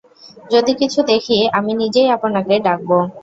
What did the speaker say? যদি কিছু দেখি, আমি নিজেই আপনাকে ডাকব।